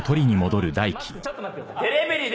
マスクちょっと待ってください。